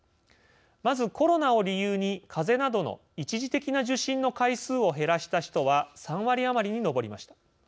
まず、コロナを理由に風邪などの一時的な受診の回数を減らした人は３割余りに上りました。